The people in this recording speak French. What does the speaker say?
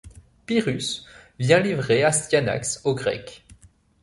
Pyrrhus vient livrer Astyanax aux Grecs.